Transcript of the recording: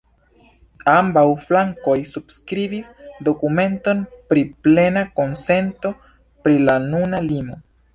Ambaŭ flankoj subskribis dokumenton pri plena konsento pri la nuna limo.